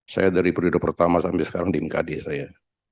saya dari periode pertama sampai sekarang di mkd saya